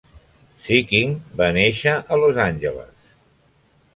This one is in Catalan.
Sikking va néixer a Los Angeles.